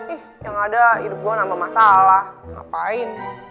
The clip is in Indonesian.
ih yang ada hidup gue nambah masalah ngapain